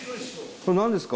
これ何ですか？